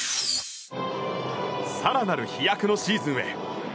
更なる飛躍のシーズンへ。